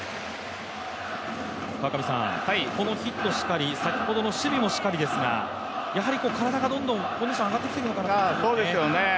このヒットしたり、先ほどの守備もしかりですが体がどんどんコンディション上がっていっていますよね。